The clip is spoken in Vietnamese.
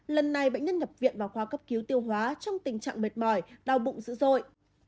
lần này bệnh nhân nhập viện vào khoa cấp cứu tiêu hóa trong tình trạng mệt mỏi đau bụng dữ dội